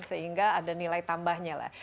sehingga ada nilai tambahnya